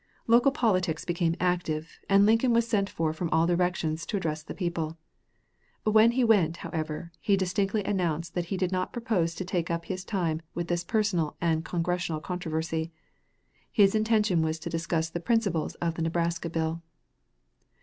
Local politics became active, and Lincoln was sent for from all directions to address the people. When he went, however, he distinctly announced that he did not purpose to take up his time with this personal and congressional controversy. His intention was to discuss the principles of the Nebraska Bill.